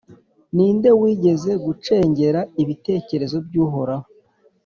Ni nde wigeze gucengera ibitekerezo by’Uhoraho,